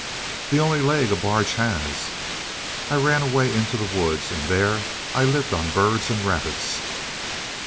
"The only leg a barge has. I ran away into the woods, and there I lived on birds and rabbits."